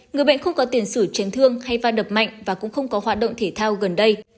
người bệnh không có tiền sử chấn thương hay va đập mạnh và cũng không có hoạt động thể thao gần đây